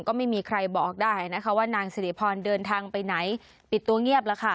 ก็ไม่มีใครบอกได้นะคะว่านางสิริพรเดินทางไปไหนปิดตัวเงียบแล้วค่ะ